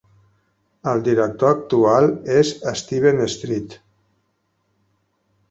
El director actual és Steven Street.